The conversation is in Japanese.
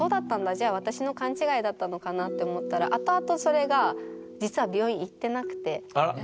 じゃあ私の勘違いだったのかなって思ったら後々それが実はええ。